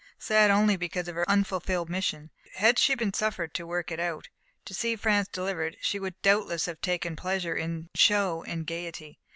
Sad only because of her unfulfilled mission: had she been suffered to work it out, to see France delivered, she would doubtless have taken pleasure in show and gaiety.